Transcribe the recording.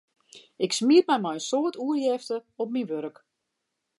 Ik smiet my mei in soad oerjefte op myn wurk.